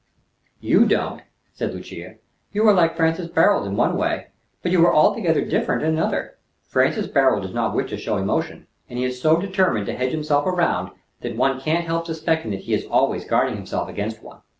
"You don't," said Lucia. "You are like Francis Barold in one way, but you are altogether different in another. Francis Barold does not wish to show emotion; and he is so determined to hedge himself around, that one can't help suspecting that he is always guarding himself against one.